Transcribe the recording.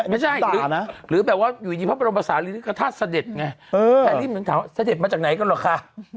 ไม่ใช่หรือแบบว่าอยู่ในภาพบริษัทก็ถ้าเสด็จไงถ้าเริ่มถึงถามเสด็จมาจากไหนก็หรอกค่ะ